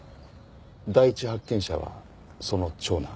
第一発見者はその長男。